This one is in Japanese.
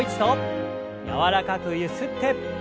柔らかくゆすって。